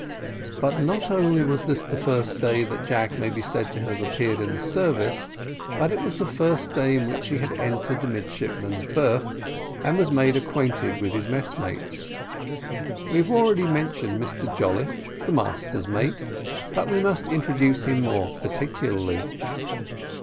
But not only was this the first day that Jack may be said to have appeared in the service, but it was the first day in which he had entered the midshipman's berth, and was made acquainted with his messmates. We have already mentioned Mr Jolliffe, the master's mate, but we must introduce him more particularly.